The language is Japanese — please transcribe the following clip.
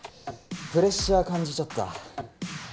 プレッシャー感じちゃった。